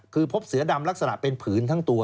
คือพบเสือดำลักษณะเป็นผืนทั้งตัว